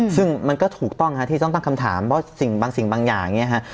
ซึ่งมันก็ถูกต้องฮะที่ต้องตั้งคำถามเพราะสิ่งบางสิ่งบางอย่างเนี่ยฮะ